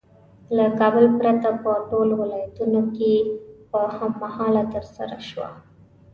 له کابل پرته په ټولو ولایتونو کې په هم مهاله ترسره شوه.